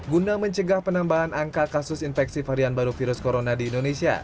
guna mencegah penambahan angka kasus infeksi varian baru virus corona di indonesia